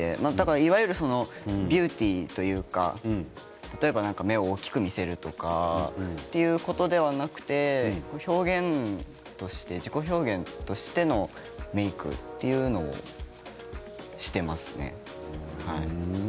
いわゆるビューティーというか例えば、目を大きく見せるということではなくて表現として、自己表現としてのメークというものをしていますね。